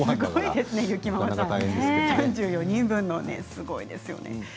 ３４人分なんてすごいですよね。